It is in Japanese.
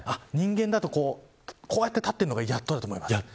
人間だと、こうやって立っているのがやっとだと思います。